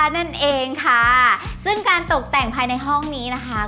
นั่นเองค่ะซึ่งการตกแต่งภายในห้องนี้นะคะ